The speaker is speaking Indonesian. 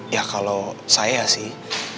ya kalau saya sih